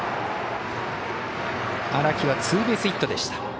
荒木はツーベースヒットでした。